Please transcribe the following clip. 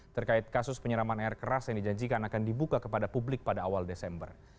terkait kasus penyeraman air keras yang dijanjikan akan dibuka kepada publik pada awal desember